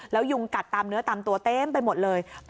แล้วยุงกัดตามเนื้อตามตัวเต็มไปหมดเลย